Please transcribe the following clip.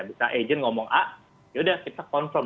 bisa agent ngomong a yaudah kita confirm